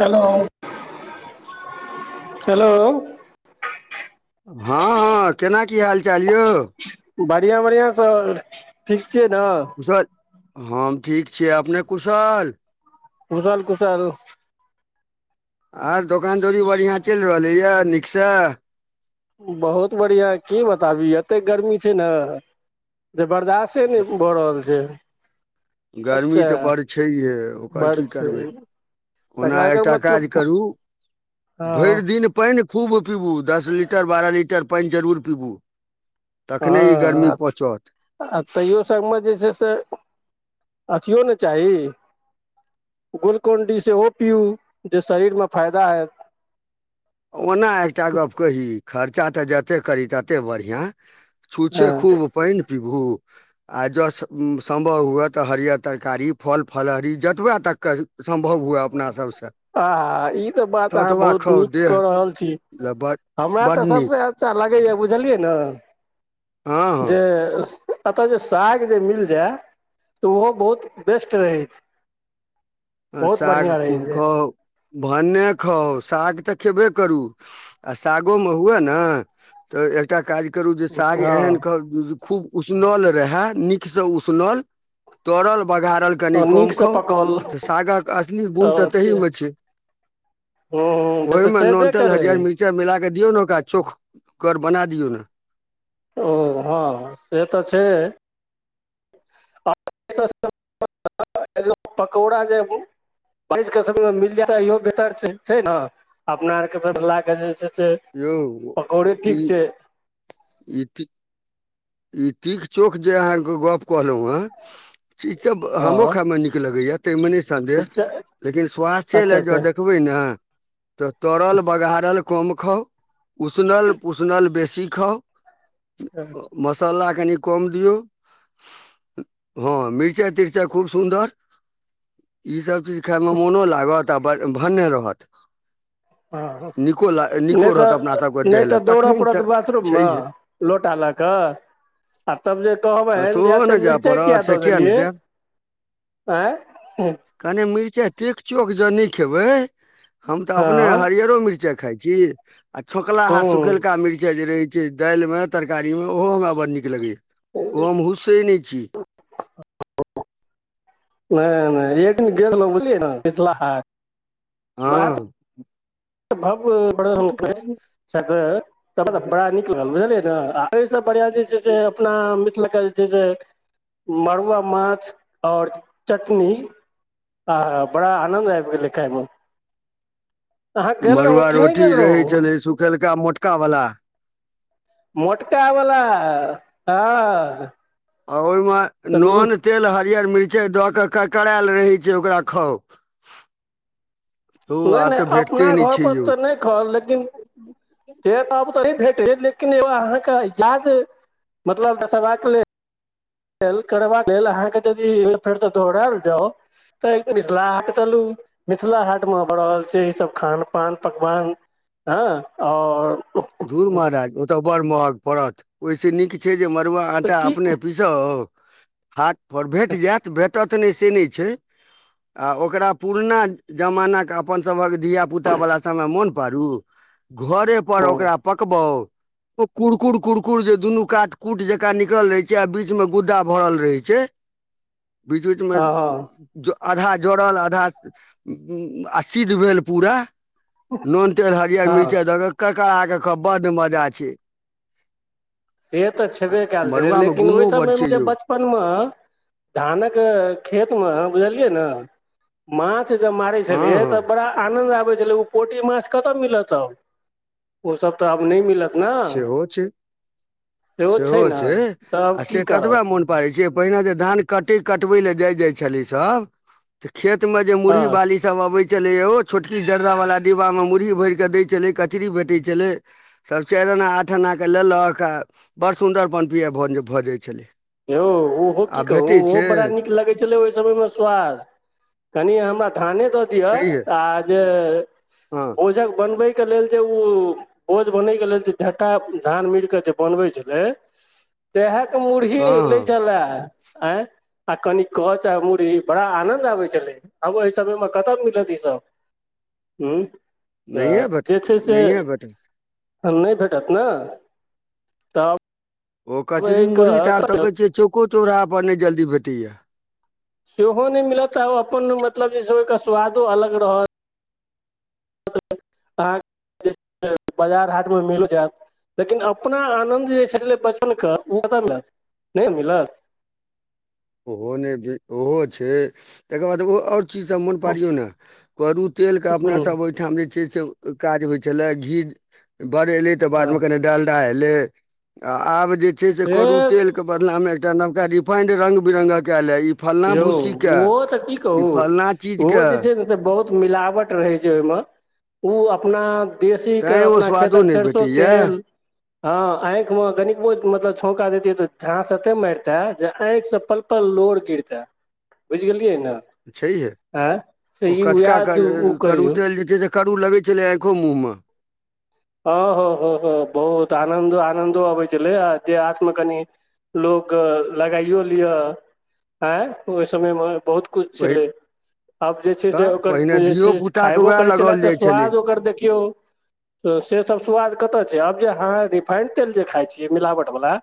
Hello [inaudible] hello हँ हँ केना की हाल चाल यौ बढ़िया बढ़िया सर ठीक छियै ने कुशल हम ठीक छियै अपने कुशल कुशल कुशल आर दोकान दौरी बढ़िआँ चलि रहलैए नीकसँ बहुत बढ़िया की बताबी एते गर्मी छै ने त बर्दास्ते नय भऽ रहल छै गर्मी अच्छा तऽ बड़ छैहे ओकर बड़ की छै करबै ओना तकरा एकर एकटा मतलब काज कहू हँ भरि दिन पनि खूब पीबू दस लीटर बारह लीटर पनि जरूर पीबू तखने ई गर्मी पचत सब मे जे छै से अथिये ने चाही ग्लूकोन डी सेहो पिबू जे शरीर मे फायदा हेएत ओना एकटा गप्प कही खर्चा तऽ जते करी तते बढ़िआँ हँ छूछे खूब पनि पीबू आ जँ सम्भव हुए तऽ हरयर तरकारी फल फलहरी जतबे तक के सम्भव हुए आ हा हा ई तऽ बात अहाँ ततबा बहुत खाउ नीक कह देह कहल छी लए बड हमरा बड तऽ नीक सबसे अच्छा लगैया बुझलियै न जे हँ एतऽ जे साग जे मिल जाय तऽ ओहो बहुत बेस्ट रहै छै आ बहुत साग बढ़िआँ रहै खूब छै खाउ भन्ने खाउ साग तऽ खेबे करू आ सागो मे हुए ने तऽ एकटा काज करू जे साग एहन हँ कहब खूब उसनल रहे नीक से उसनल तड़ल बघाड़ल आ नीकसँ पकौल सागक असली गुन तऽ तही मे छै तऽ ओहिमे नून छेबे तेल करै हरियर मीर्चा ई मिला क दियौ ने ओकरा चोख कर बना दियौ न ओ हँ से तऽ छै [unintelligible] पकौड़ा जेब बारिश के समय मे मिल जाय त इहो बेहतर छै ने अपना आर के के जे छै से यौ पकौड़ी ई ठीक छै ई ठी ई तीख चोक जे अहाँके गप कहलौ हेँ चीज त हमरो हँ खायइ मे नीक लगैया ताहिमे नय सन्देह अच्छा लेकिन स्वास्थ्ये ल अच्छा ज देखबै ने तऽ तरल बघाड़ल कम खाउ उसनल पुसनल बेसी खाउ ह मसल्ला कनि कम दियौ हँ मिरचाइ तिरचाइ खूब सुन्दर ई सब चीज खाय मे मोनो लागत आ भन्ने रहत हँ नीको ल नहि नीको रहत अपना तऽ सबके नहि देह तऽ लए दौड़य तखन पड़त तऽ बाथरूममे छैहे लोटा लग हं आ तब जे आ कहबनि जे सेहो एते ने जाय मिरचाइ किया पड़त से दऽ किएक ने देलियै जायब आँ कनि मिरचाइ तीक चोक जे नय खेबै हम तऽ अपने हँ हरियरो मिर्चाई खाय छी आ छोकला हा हूँ सुखेलका मिर्चाई जे रहै दालि मे तरकारी मे ओहो हमरा बड़ नीक लगैया ओहो हम हुस्सै नय छी हं एक दिन गेलहुं बुझलियै ने पिछला हाट बाहर हँ [unintelligible] [unintelligible] बड़ा नीक लागल बुझलियै ने एहिसँ बढ़िया जे छै से अपनामि ल [unintelligible] छै जे मड़ुआ माछ आओर चटनी आ बड़ा आनन्द आब गेलै खाइमे मड़ुआ कि नहि रोटी गेल रहै रहौं छलै सुखेलका मोटका वला मोटका वला हँ आ ओहिमे तऽ नोन नहि तेल हरियर मिरचाइ दऽ के करकऽरेल रहै छै ओकरा खाउ धू नय आब नय तऽ अपना भेटते नहि घर छै पर यौ तऽ नय खाउ लेकिन से त आब तो नय भेट लेकिन एगो अहाँके याद मतलब दसेबाक लेल द कर अहाँके यदि फेर त दोहड़ेल जाउ तै [unintelligible] ल के चलू। मिथिला हाट मे भऽ रहल छै ईसभ खान पान पकवान हँ आओर धू महाराज ओतऽ बड़ महग पड़त ओहिस नीक छै जे मड़ुआ तऽ आटा की अपने पीसा जाउ हाट पर भेट जायत भेटत नय से नय छै आ ओकरा पुरना जमानाक अपनसभक धियापुतावला सभमे मोन पाड़ू घरे पर हँ ओकरा पकबाउ ओ कुरकुर कुरकुर जे दुनू काट कुट जकाँ निकल रहे छै आ बीच मे गुद्दा भरल रहै छै [inaudible] बीच बीच मे हँ ज आधा जड़ल आधा आ सिद्ध भेल पूरा नून तेल हरियर हँ मिरचाइ दऽ कऽ कर खड़ा कऽ खाउ बड्ड मजा छै से तऽ छेबे कयल छलै मड़ुआमे लेकिन ओहि गुणो बड समय छै मे बच यौ बचपन मे धानक खेत मे बुझलियै ने मांछ जब मारै हँ छलियै हँ तऽ बड़ा आनंद आबै छलै उ पोठी माछ कतऽ मिलत अब ओ सब तऽ आब नय मिलत ने सेहो छै सेहो छै तऽ आ आब से की करब ततबा मोन पड़ै छियै पहिने जे धान कटै कटबै लए जाइ जाइ छलै सभ तऽ खेत मे जे मुरही हँ बालि सब सभ अबै छलै यौ छोटकी जर्दा वला डिब्बा मे मुरही भैर कऽ दै छलै कचरी भेटै छलै सभ चारि अना आठ आन के लेलक आ बड़ सुन्दर पन पियाय भऽ जाइ छलै यौ ओहो की आ कहू भेटै ओहो छै बड़ा नीक लगै ओहि समय मे स्वाद कनि हमरा थाने द दिय छैहे आ जे हँ भोजक बनबैके लेल जे उ भोझ बनय के लेल जे झट्टा धान मिल के जे बनबै छलै ओहेके कि यौ हँ लै हँ छला आँ आ कनि कच आ मुड़ही बड़ा आनंद आबै छलै आब एहि समय मे कतय मिलत ईसभ हूं तऽ नहिए भेटत जे छै से नहिए भेटत नय भेटत ने तब ओ कचरी मुुरही तऽ आब तऽ एहिके कहै छियै चौको चौराहो पर नय जल्दी भेटैया सेहो नय मिलत आ अपन मतलब जे छै ओकर स्वादो अलग रहत अहाँके बाजार हाट मे मिलि जायत लेकिन अपना आनन्द जे छलै बचपन के ओ कत मिलत नय मिलत ओहो नय ओहो छै तकर बाद ओ आओर चीजसभ मोन पारियौ ने करु तेल के अपना सब ओहिठाम जे छै से काज होइ छलै घी बड़ एलै त बाद में कोनो डंडा एलय आब जे छै से करू तेल तो बदला मे एकटा नवका रिफाइंड रंग बिरंगक अयला ह ई फल्लाँ यौ भूस्सीके ओहो तऽ की ई कहू फल्लाँ ओहो चीजके जे छै ने बहुत मिलावट रहै छै ओहिमे ओ अपना देशी के तैँ ओ अपना स्वादो खेतक नहि सरिसों भेटैए तेल ह आंखि मे कनिकबो मतलब छौंका देतीये ते झांस एते मारिते जे आंखि से पल पल लोर गिरते ते बुइझ गेलियै ने छैहे आँय तऽ ओ ई कचका उएह ओ करु करियौ तेल जे छै से करू लगै छलै आँखो मुँह मे हँ हँ ह ह बहुत आनन्दो आनन्दो अबै छलै दे हाथ मे कनि लोक लगाइयो लिअ आँ ओहि समय मे बहुत कुछ पहिने छेलै आब जे छै से तऽ ओकर पहिने जे छै से धियोपुताके खायबो उएह करै छलए लगाओल जाइ तऽ छलै स्वाद ओकर देखियौ से सभ स्वाद कतय छै आब जे अहाँ रिफाइंड तेल जे खाइ छियै मिलावट बला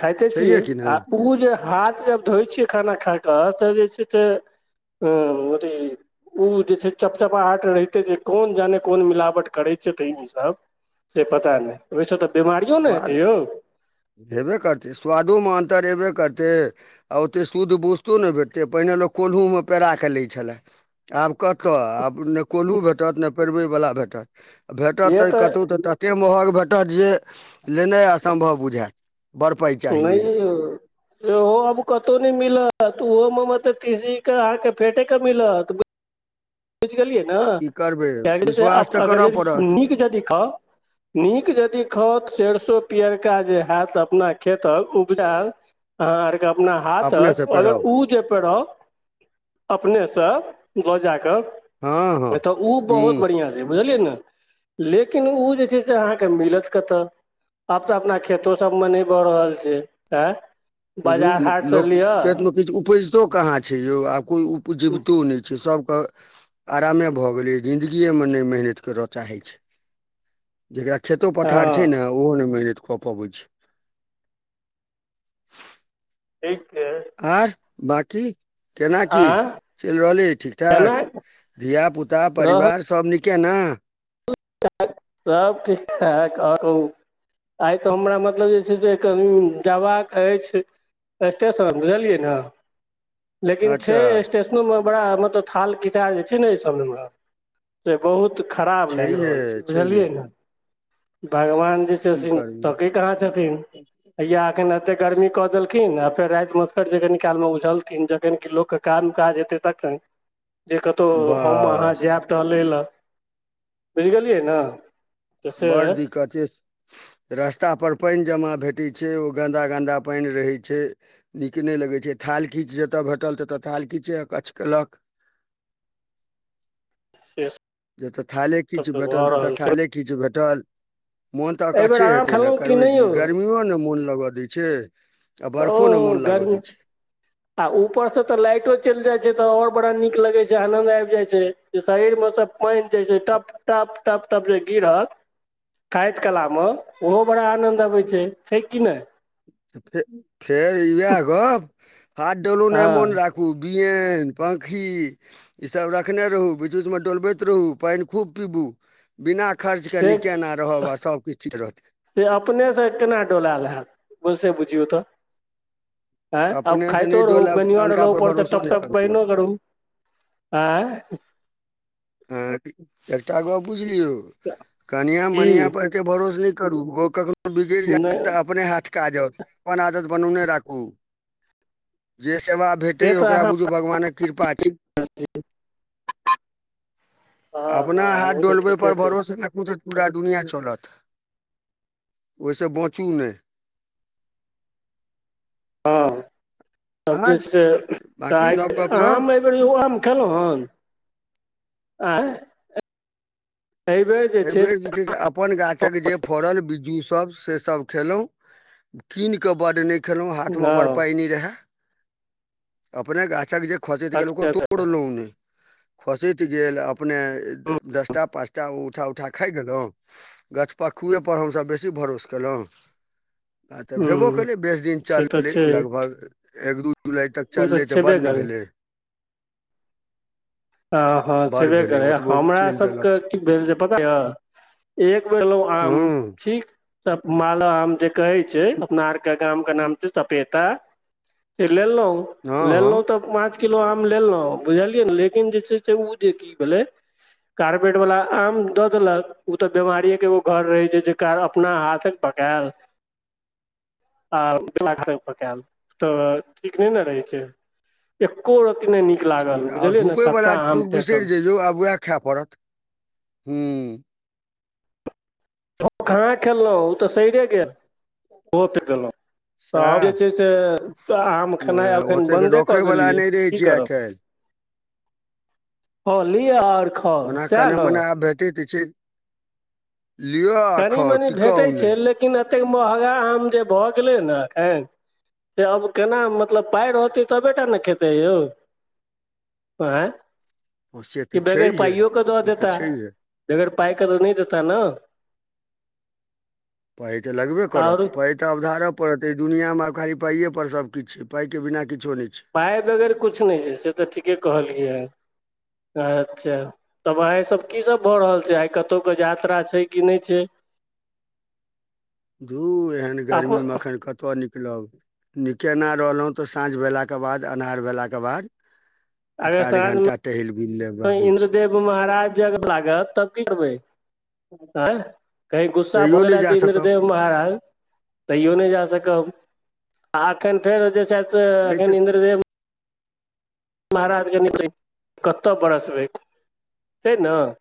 खाइते छियै छैहे कि ने आ ऊ जे हाथ से धोइ छियै खाना खा कऽ तऽ जे छै से अथी उ जे छै चपचपाहट रहिते छै कोन जाने कोन मिलावट करै छथिन ई सभ से पता नय ओहिसँ तऽ बिमारियो ने स्वाद हेतै यौ हेबे करतै स्वादो मे अन्तर हेबे करतै आ ओते शुद्ध वोस्तो नय भेटतै पहिने लोक कोलहु मे पेरा कऽ लै छलै आब कतय आब ने कोल्हु भेटत नय पेड़बै वला भेटत भेटत तऽ कतहु तऽ एते महग भेटत जे लेनाइ असम्भव बुझायत बड़ पैय नय यउ ओहो आब कतौ नय मिलत ओहो मे मतलब तिसी के अहाँके फेँटेके मिलत बुईझ गेलियै न की करबै विश्वास कियाकी तऽ अगर करय यदि पड़त निक जदि खाउ निक जदि खाउ त सरसों पियरका जे हैत अपना खेतक उपजायल अहाँ आरके अपना अपनेसँ हाथक अगर पेराउ उ जे पेराउ अपने सँ लऽ जाकऽ हँ हँ तऽ ओ बहुत ह्म्म बढ़िआँ छै बुझलियै न लेकिन ऊ जे छै से अहाँके मिलत कतऽ आब तऽ अपना खेतो सभ मे नय भऽ रहल छै आंए हेरू लोक खेत मे किछु उपज तो कहाँ छै यौ आब कोइ उपजेवितो नय छै सभकेँ आरामे भऽ गेलै जिन्दगिए मे नय मेहनतिश करय चाहै छै जेकरा खेतो पथार छै हँ ने ओहो ने मेहनत कऽ पबै छै ठीक छै आर बांकी केना कि आँ चलि रहलै ठीक ठाक केना धिया पुता रहल परिवार सभ नीके न सब ठीक ठाक आओर कहू आइ तऽ हमरा मतलब जे छै से कहुं जबाक अछि स्टेशन बुझलियै न लेकिन छै अच्छा स्टेशनोमे बड़ा मतलब थाल खिचाह जे छै ने एहि सभ मे हमर से बहुत खराब लागि छैहे रहल छै छैहे बुझलियै ने भगवान जे की छथिन करबै तकै कहाँ छथिन है या एखन ऐते गर्मी क देलखिन फेर राति मे फेर जे कनि काल मे उझलथिन जखन कि लोक केँ काम काज हेतय तखन जे कतोउ हम अहाँ बस जायब टहले लऽ बुझगेलियै न बड दिक्कत छै रास्तापर पानि जमा भेटै छै ओ गन्दा गन्दा पानि रहै छै नीक नहि लगै छै थाल खिछ जतय भेटल ततय थाले खिछ अकछ कयलक से जतऽ थाले खिछ सब तऽ भेटल भऽ ततऽ रहल छै थाले खिछ भेटल मोन तऽ एहिबेर अकच्छे आम हेतै ने खेलहुँ करबै नहि कि यौ गर्मिओ ने मोन लगय दै छैय ओ गर्मी आ ऊपरसँ तऽ लाइटो चलि जाइत छै तऽ आओर बड़ा नीक लगैत छै आनन्द आबि जाइत छै शरीर मे सब पानि जे छै टप टप टप टप जे गिरल खइत कलामे ओहो बड़ा आनन्द अबै छै छै कि नहि। फे फेर इह गप हाथ डोलू नहि हँ मोन राखु को बिियन पाखी। ईसभ रखने रहू बीच बचमे डोलबैत रहू पानि खूब पीबू। बिना खर्च क न से केना रहब आ सभकिछु ठीक रहत। से अपनेसँ केना डोलायल होैत बसे बुझियौ तऽ। ह आब अपनेसँ खाायइतो नहि रहू डोलायब मेन तऽ आर अनका ल पर पड़त भरोसो टपटप प नहि करू। आँय। हँ एकटा गप बुझलियौ कनिआ की मनिआ पर। के भरोस नहि करू ओ कखनो बिगड़ि नहि जायत तऽ अपने हाथ। अपन आदत बने नेरखु। से भेटै तऽ ओकरा अहाँ बुझू भगवानक कृपा अछि। अपना हँ हँ हाथ ओ तऽ ठीके डोलबयपर छै भरोसे राखू तऽ पूरा दुनिआँ चलत। ओहिसँ बाँचू नहि। हँ तब आँय जे छै बाँकी तऽ नव आ गपशप आम। हम कलहु एगो आमखेलहुहन एहि बेर जे छै से। अपन गाछक जे फड़ल बिीज्जू सब से सब खेलहुॅं कीन के बड न। खेलहुँ हाथमे बड़ हँ पाइ नहि रहै। अपने गाछक जे खोसैत गेल ओकरो अच्छा अच्छा तोड़लहुँ नहि खोसैत गेल अप। अपने दसटा पाँचटा उठा उठा खाइ गेलहुँ। गछपक्खुएपर हमसभ बेसी भरोस केलहुँ। आ तऽ भेबो हूँ केललै बेस दिन से तऽ चललै छै लगभग एक दू जुलाई तक। ओ चललै तऽ छेबे बड् ने करै भेलै। हँ हँ बड़ छेबे भेलै करै ओतबो हमरा चलि देलक सबके से की भेल जे पता। एक बेरलहु आम हँ ठीक त मालदह आम जे कहै छै अपना आर के। आमके नाम छै सपेता से लेलहुँ हँ लेलहुँ हँ तऽ। पाँच किलो आम लेलहुँ बुझलियै ने लेकिन जे छै से ओ जे की भेलै। कार्पेट वाला आम दऽ देलक उ तऽ बीमारीए के एगो घर रहे छै जे कार अपना हाथ। पकायल। आरकल तऽ ठीक नहि ने रहै छै। एकको रति नहि नीक लागल बुझलियै ने। वला सभटा आम युग बिसरि फेकल जइयौ आब उएह खाय पड़त ह। खा खेललहुं ओ तऽ सरे गेलत तब सएह जे। से आम खेनाइ अखन ओतेक बन्दे कऽ रखयवला देलियै नहि रहै की छै आइ करब। काल्हि हॅं लिअ आओर खाउ ओना सएह कने ने! मने भेटैत छै। लिऔ- कनी-मनी भेटैत छै लेकिन एतेक महँगा आम जे भऽ गेलै ने एखन। से आब केना, मतलब पाइ रहतै तबे टा ने खेतै यौ? ऐं! से की तऽ बगैर छैहे पाइयो केॅं दऽ ओ तऽ देता? छैहे बगैर पाइकेॅं तॅं नहि देता ने! पाइ तॅं लगबे करत आओर पाइ तॅं अवधारऽ पड़त एहि दुनियामे आब खाली पाइए पर सभ किछु छै पाइकेॅं बिना किछो नहि छै! पाइ बगैर किछु नहि छै, से तॅं ठीके कहलियैए, अच्छा तॅं भाइ की सभ भऽ रहल छै आइ कतहुकेॅं यात्रा छै की नहि छै? [inaudible] धू एहन अपन गर्मीमे अखन कतय निकल- -लब नीके ना रहलहुँ तॅं साँझ भेलाके बाद, अन्हार भेलाक के बाद एक अगर आध साँझ घंटा टहलि-बुलि लै [unintelligible] छै। इन्द्रदेव महाराज जागऽ लागत तब की करबै, ऐं? कहीं गुस्सा भऽ तैयो नहि गेलै जा तँ सकब इन्द्रदेव महाराज तैयो नहि जा सकब आ एखन फेर जे छथि [unintelligible] तैं तऽ अखन इंद्रदेव महाराजकेॅं निकलैत, कतय बरसबै, छै ने!